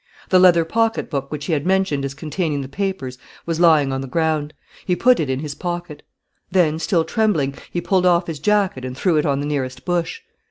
The leather pocket book which he had mentioned as containing the papers was lying on the ground; he put it in his pocket. Then, still trembling, he pulled off his jacket and threw it on the nearest bush.